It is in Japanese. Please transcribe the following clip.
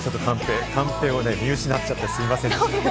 カンペを見失っちゃってすみません。